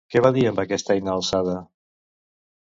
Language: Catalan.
Què va dir amb aquesta eina alçada?